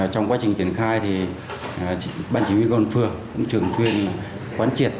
trong quá trình triển khai ban chỉ huy công an phường cũng trường khuyên quán triệt